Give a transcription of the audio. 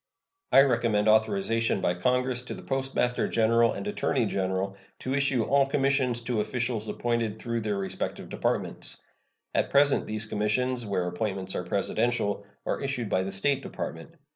I recommend authorization by Congress to the Postmaster General and Attorney General to issue all commissions to officials appointed through their respective Departments. At present these commissions, where appointments are Presidential, are issued by the State Department.